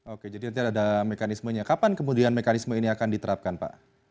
oke jadi nanti ada mekanismenya kapan kemudian mekanisme ini akan diterapkan pak